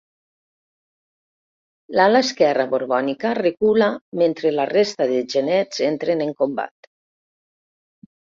L'ala esquerra borbònica recula mentre la resta de genets entren en combat.